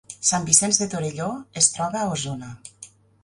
Sant Vicenç de Torelló es troba a Osona